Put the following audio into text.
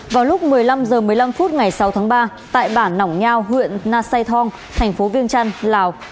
vào lúc một mươi năm h một mươi năm phút ngày sáu tháng ba tại bản nỏng nhao huyện na sai thong thành phố viêng trăn lào